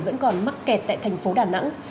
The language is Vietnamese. vẫn còn mắc kẹt tại thành phố đà nẵng